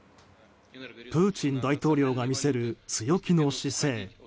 プーチン大統領が見せる強気の姿勢。